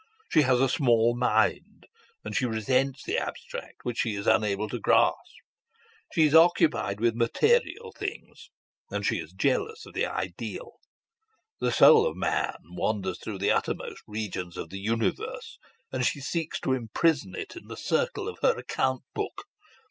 She has a small mind, and she resents the abstract which she is unable to grasp. She is occupied with material things, and she is jealous of the ideal. The soul of man wanders through the uttermost regions of the universe, and she seeks to imprison it in the circle of her account book.